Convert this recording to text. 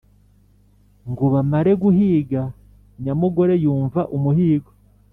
Ngo bamare guhiga nyamugore yumva umuhigo.